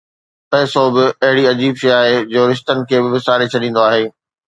پئسو به اهڙي عجيب شيءِ آهي جو رشتن کي به وساري ڇڏيندو آهي